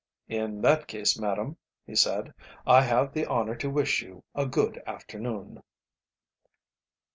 "In that case, madam," he said, "I have the honour to wish you a good afternoon."